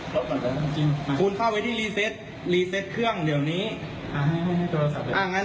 ลบไปตรงนั้น